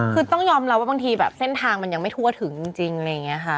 คือต้องยอมรับว่าบางทีแบบเส้นทางมันยังไม่ทั่วถึงจริงอะไรอย่างนี้ค่ะ